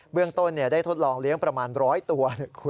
เรื่องต้นได้ทดลองเลี้ยงประมาณ๑๐๐ตัว